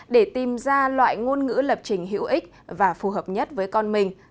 để tìm ra loại ngôn ngữ lập trình hữu ích và phù hợp nhất với con mình